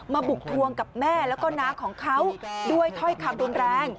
บุกทวงกับแม่แล้วก็น้าของเขาด้วยถ้อยคำรุนแรง